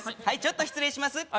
はいちょっと失礼します